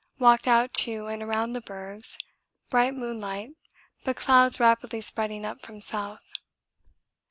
Walked out to and around the bergs, bright moonlight, but clouds rapidly spreading up from south.